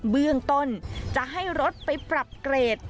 เบื้องต้นจะให้รถไปปรับเกรด